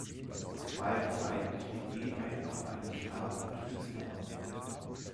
Zu beiden Seiten steht je ein auf einen Stab gestützter Mann.